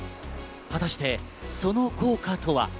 果たしてその効果とは？